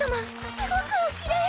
すごくおきれい。